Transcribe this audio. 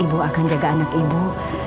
ibu akan jaga anak ibu dan cuci ibu ini